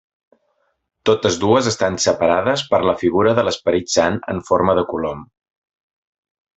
Totes dues estan separades per la figura de l'Esperit Sant en forma de colom.